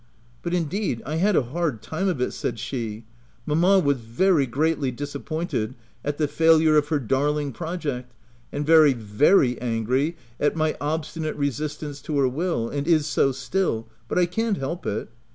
u But indeed, I had a hard time of it," said she :" mamma was very greatly disappointed at the failure of her darling project, and very, very angry at my obstinate resistance to her will, — and is so still ; but I can't help it.